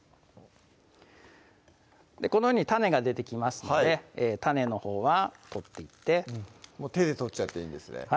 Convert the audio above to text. このように種が出てきますので種のほうは取っていって手で取っちゃっていいんですね